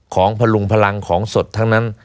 พลุงพลังของสดทั้งนั้น